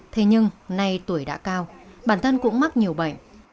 thế nhưng nay tuổi đã cao bản thân cũng mắc nhiều bệnh